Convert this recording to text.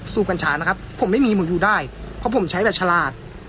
กัญชานะครับผมไม่มีผมอยู่ได้เพราะผมใช้แบบฉลาด